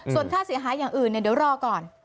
ส่วนค่าเสียหายอย่างอื่นเดี๋ยวรอก่อน